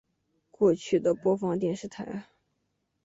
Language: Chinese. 过去的播放电视台